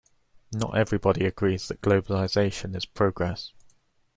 Not everybody agrees that globalisation is progress